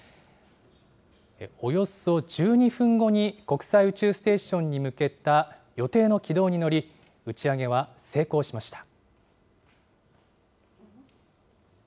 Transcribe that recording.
およそ１２分後に国際宇宙ステーションに向けた予定の軌道に乗り、打ち上げは成功しました。